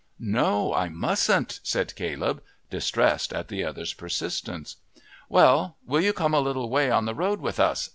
"No, I mustn't," said Caleb, distressed at the other's persistence. "Well, will you come a little way on the road with us?"